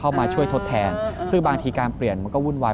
มาช่วยทดแทนซึ่งบางทีการเปลี่ยนมันก็วุ่นวาย